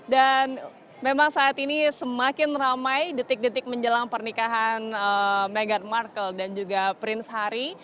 dan memang saat ini semakin ramai detik detik menjelang pernikahan meghan markle dan juga prince harry